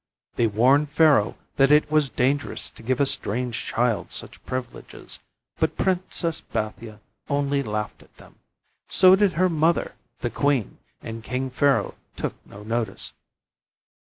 They warned Pharaoh that it was dangerous to give a strange child such privileges, but Princess Bathia only laughed at them. So did her mother, the queen, and King Pharaoh took no notice.